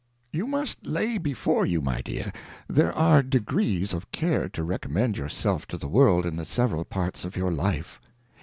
YOU must lay before you, My Dear, there are degrees of Care to recommend your self to the World in the several parts of your Life.